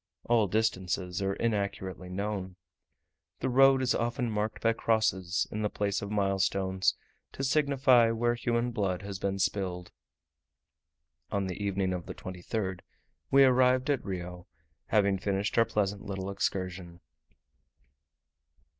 All distances are inaccurately known. The road is often marked by crosses, in the place of milestones, to signify where human blood has been spilled. On the evening of the 23rd we arrived at Rio, having finished our pleasant little excursion.